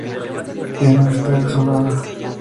Edna está desolada.